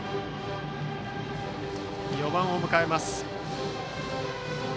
４番を迎えました。